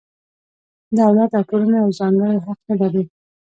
دولت او ټولنه یو ځانګړی حق نه لري.